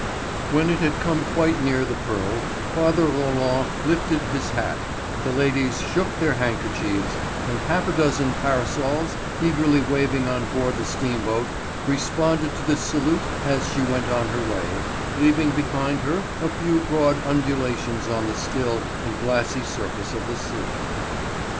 When it had come quite near the Pearl, father Roland lifted his hat, the ladies shook their handkerchiefs, and half a dozen parasols eagerly waved on board the steamboat responded to this salute as she went on her way, leaving behind her a few broad undulations on the still and glassy surface of the sea.